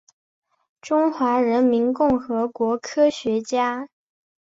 中华人民共和国科学家。